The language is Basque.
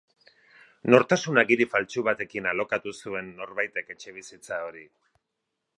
Nortasun agiri faltsu batekin alokatu zuen norbaitek etxebizitza hori.